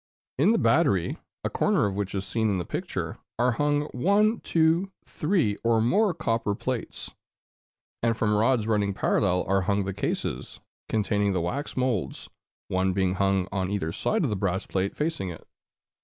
In the battery, a corner of which is seen in the picture, are hung one, two, three, or more copper plates; and from rods running parallel are hung the cases containing the wax moulds, one being hung on either side of the brass plate facing it.